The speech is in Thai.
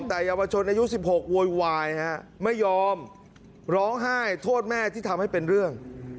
แต่เยาวชนอายุ๑๖โวยวายไม่ยอมร้องไห้โทษแม่ที่ทำให้เป็นเรื่อง